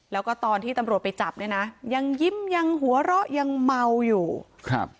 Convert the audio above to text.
แล้วก็ตอนที่ตำรวจไปจับเนี่ยนะยังยิ้มยังหัวเราะยังเมาอยู่ครับ